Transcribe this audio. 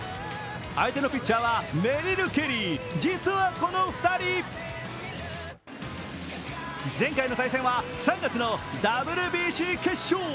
相手のピッチャーはメリル・ケリー実はこの２人前回の対戦は３月のＷＢＣ決勝。